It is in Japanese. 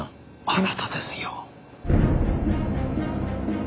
あなたですよ。